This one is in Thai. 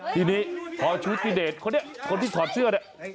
ทีนี้พอชุตติเดทคนที่ถอดเสื้อเนี่ย